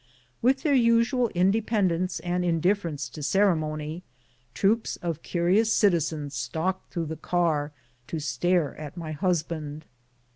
With their usual indepen dence and indifference to ceremony, troops of curious citizens stalked through the car to stare at my husband.